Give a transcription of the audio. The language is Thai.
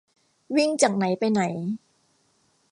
วิ่งจากไหนไปไหน